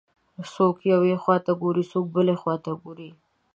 څوک یوې خواته ګوري، څوک بلې خواته ګوري.